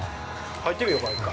入ってみようか、一回。